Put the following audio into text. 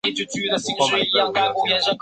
可升级成奔熊。